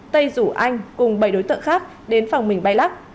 tây rủ anh cùng bảy đối tượng khác đến phòng mình bay lắc